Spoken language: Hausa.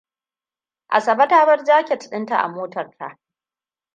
Asabeam ta bar jaket dinta a motar ta.